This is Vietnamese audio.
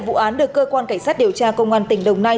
vụ án được cơ quan cảnh sát điều tra công an tỉnh đồng nai